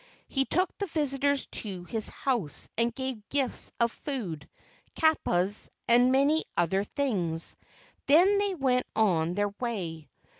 He took the visitors to his house and gave gifts of food, kapas, and many other things. Then they went on their way.